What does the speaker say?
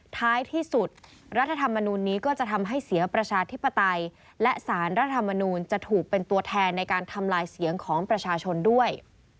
ท้ายที่สุดรัฐธรรมนูลนี้ก็จะทำให้เสียประชาธิปไตยและสารรัฐธรรมนูลจะถูกเป็นตัวแทนในการทำลายเสียงของประชาชนด้วย